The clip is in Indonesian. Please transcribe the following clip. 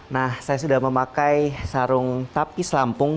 nah saya sudah memakai sarung tapis lampung